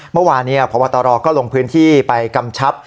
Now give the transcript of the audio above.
เมื่อวานเนี่ยพระวัตรอก็ลงพื้นที่ไปกำชับ